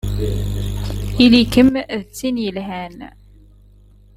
Ili-kem d tin yelhan!